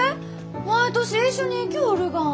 毎年一緒に行きょうるがん。